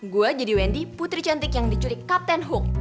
gue jadi wendy putri cantik yang dicuri captain hook